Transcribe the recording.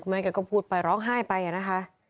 แกก็พูดไปร้องไห้ไปอะนะคะ